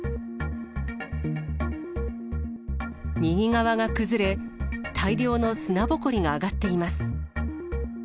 右側が崩れ、大量の砂ぼこりが上がっています。